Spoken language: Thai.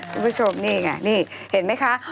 คุณผู้ชมนี่ไงนี่เห็นไหมคะ